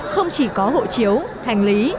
không chỉ có hộ chiếu hành lý